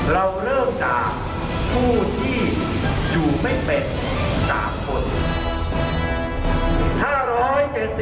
เราเริ่มจากผู้ที่อยู่ไม่เป็น๓คน